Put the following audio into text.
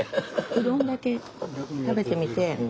うどんだけ食べてみて。